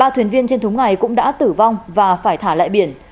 ba thuyền viên trên thúng này cũng đã tử vong và phải thả lại biển